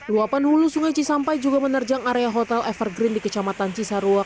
luapan hulu sungai cisampai juga menerjang area hotel evergreen di kecamatan cisaruak